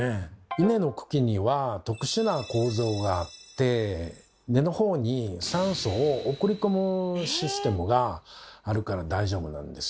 イネの茎には特殊な構造があって根のほうに酸素を送り込むシステムがあるから大丈夫なんです。